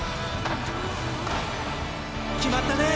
決まったね